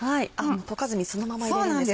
溶かずにそのまま入れるんですね。